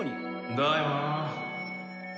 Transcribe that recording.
だよな。